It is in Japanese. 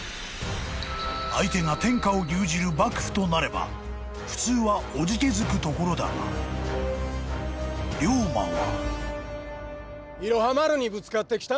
［相手が天下を牛耳る幕府となれば普通はおじけづくところだが龍馬は］